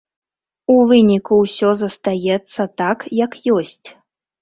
У выніку ўсё застаецца так, як ёсць.